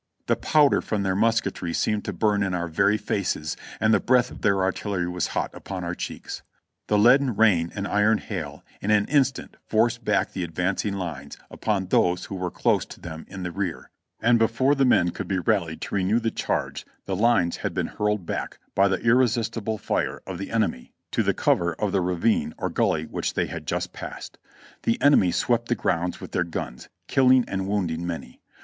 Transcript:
The powder from their musketry seemed to burn in our very faces, and the breath of their artillery was hot upon our cheeks ; the leaden rain and iron hail in an instant forced back the advancing lines upon those who were close to them in the rear, and before the men could be rallied to renew the charge the lines had been hurled back by the irresistible fire of the enemy to the cover of the ravine or gully wdiich they had just passed. The enemy swept the grounds with their guns, killing and wound ing many.